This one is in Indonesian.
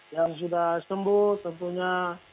yang sudah sembuh tentunya seribu satu ratus dua puluh empat